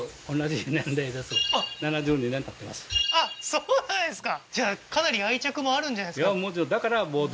そうなんですか